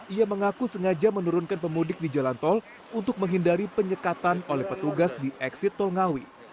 ia mengaku sengaja menurunkan pemudik di jalan tol untuk menghindari penyekatan oleh petugas di eksit tol ngawi